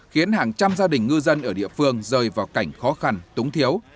khiến hàng trăm gia đình ngư dân ở địa phương rơi vào cảnh khó khăn túng thiếu